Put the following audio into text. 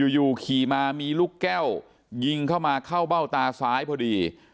อยู่ขี่มามีลูกแก้วยิงเข้ามาเข้าเบ้าตาซ้ายพอดี